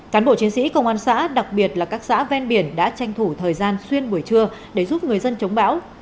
cán bộ chiến sĩ công an xã đặc biệt là các xã ven biển đã tranh thủ thời gian xuyên buổi trưa để giúp người dân chống bão